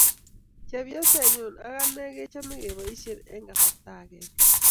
chepyosenyu ak anee kechome kebaishe eng kasarta agenge